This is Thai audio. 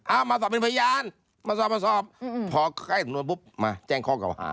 อ้าวมาสอบเป็นพยานมาสอบพอให้สนุนปุ๊บมาแจ้งข้อเก่าหา